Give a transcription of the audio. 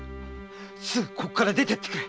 すぐここを出てってくれ。